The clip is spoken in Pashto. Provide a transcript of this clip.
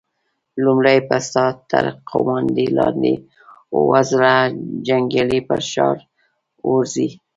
لومړی به ستا تر قوماندې لاندې اووه زره جنيګالي پر ښار ورځي!